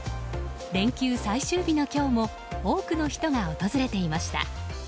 連休最終日の今日も多くの人が訪れていました。